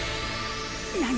何！？